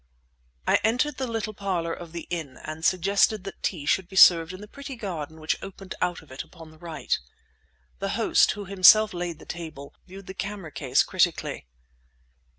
I entered the little parlour of the inn, and suggested that tea should be served in the pretty garden which opened out of it upon the right. The host, who himself laid the table, viewed the camera case critically.